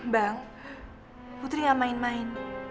bang putri gak main main